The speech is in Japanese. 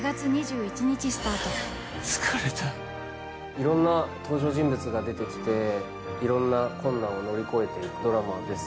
いろんな登場人物が出てきていろんな困難を乗り越えていくドラマです。